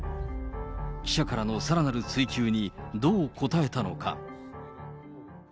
記者からのさらなる追及にどう答えたのか。